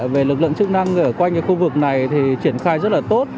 về lực lượng chức năng ở quanh khu vực này thì triển khai rất là tốt